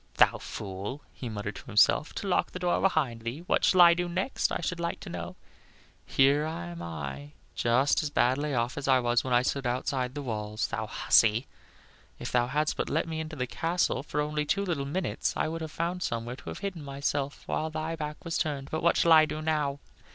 "Thou fool!" he muttered to himself, "to lock the door behind thee. What shall I do next, I should like to know? Here am I just as badly off as I was when I stood outside the walls. Thou hussy! If thou hadst but let me into the castle for only two little minutes, I would have found somewhere to have hidden myself while thy back was turned. But what shall I do now?"